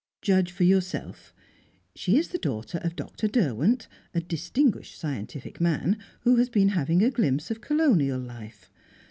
Judge for yourself; she is the daughter of Dr. Derwent, a distinguished scientific man, who has been having a glimpse of Colonial life.